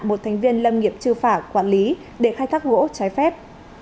một thành viên lâm nghiệp trư phả quản lý để khai thác gỗ trái phép